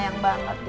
wangi banget ya